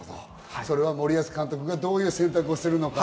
森保監督がどういう選択をするのか？